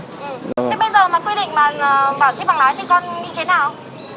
thế bây giờ mà quy định thi bằng lái thì con như thế nào